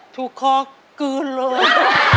ถูกเคาะกืนเลย